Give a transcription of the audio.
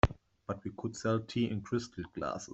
But we could sell tea in crystal glasses.